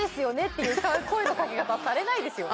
っていう声のかけ方はされないですよ。